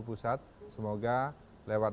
pusat semoga lewat